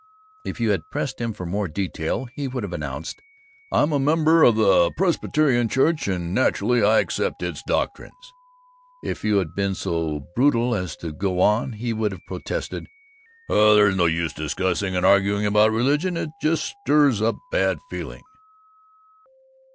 If you had pressed him for more detail, he would have announced, "I'm a member of the Presbyterian Church, and naturally, I accept its doctrines." If you had been so brutal as to go on, he would have protested, "There's no use discussing and arguing about religion; it just stirs up bad feeling."